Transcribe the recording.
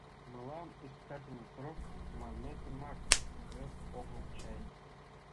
Мылам испытательный срок манметымак пуэт огыл чай?